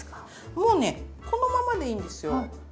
もうねこのままでいいんですよ。